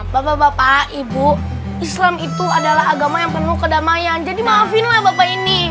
bapak bapak ibu islam itu adalah agama yang penuh kedamaian jadi maafinlah bapak ini